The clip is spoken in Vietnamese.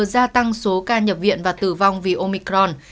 gia tăng số ca nhập viện và tử vong vì omicron